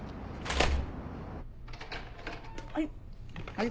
はい。